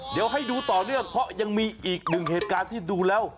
เดี๋ยวให้ดูต่อเนื่องเพราะยังมีอีกหนึ่งเหตุการณ์ที่ดูแล้ว